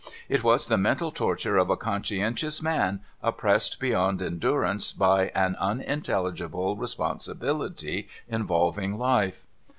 It was the mental torture of a conscientious man, oppressed beyond endurance by an unintelligible responsibility involving life.